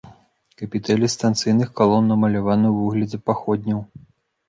Капітэлі станцыйных калон намаляваны ў выглядзе паходняў.